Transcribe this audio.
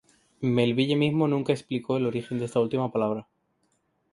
Melville mismo nunca explicó el origen de esta última palabra.